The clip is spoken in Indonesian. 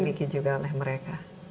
dibikin juga oleh mereka